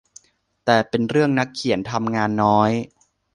แต่เป็นเรื่องนักเขียนทำงานน้อย